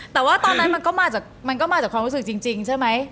แต่ว่าตอนนั้นมันมาจากความรู้สึกจริงใช่ไหม